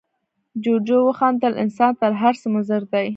جوجو وخندل، انسان تر هر څه مضر دی.